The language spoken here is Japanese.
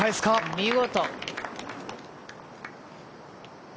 見事。